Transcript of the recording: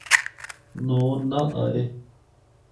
نوں ناں آئے۔